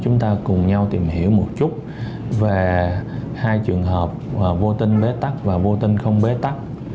chúng ta cùng nhau tìm hiểu một chút về hai trường hợp vô tinh bế tắc và vô tinh không bế tắc